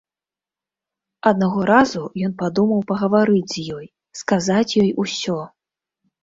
Аднаго разу ён падумаў пагаварыць з ёй, сказаць ёй усё.